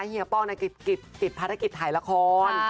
เฮียป้องนักกิจภารกิจถ่ายละคร